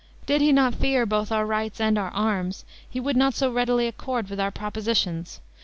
Did he not fear both our rights and our arms, he would not so readily accord with our propositions.